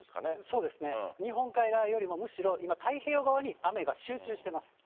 そうですね、日本海側よりもむしろ今、太平洋側に雨が集中してます。